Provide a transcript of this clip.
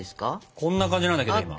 こんな感じなんだけど今。